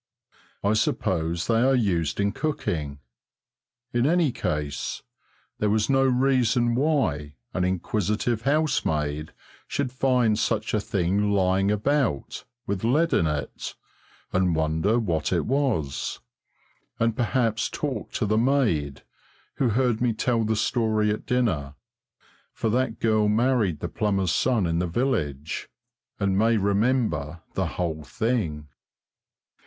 I suppose they are used in cooking. In any case, there was no reason why an inquisitive housemaid should find such a thing lying about, with lead in it, and wonder what it was, and perhaps talk to the maid who heard me tell the story at dinner for that girl married the plumber's son in the village, and may remember the whole thing.